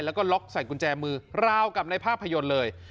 แล้วก็ล็อกใส่กุญแจมือราวกับในภาพยนตร์เลย